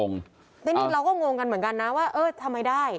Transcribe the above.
จริงเราก็งงกันเหมือนกันนะว่าเออทำไมได้